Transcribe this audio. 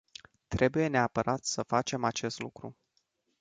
Trebuie neapărat să facem acest lucru.